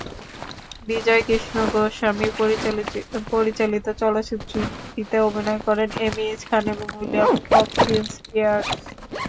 বিজয়কৃষ্ণ গোস্বামী পরিচালিত চলচ্চিত্রটিতে অভিনয় করেন এম এইচ খান এবং উইলিয়াম হপকিন্স পিয়ার্স।